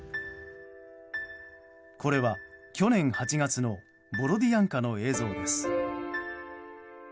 これは、去年８月のボロディアンカの映像です。